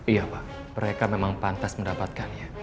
iya pak mereka memang pantas mendapatkannya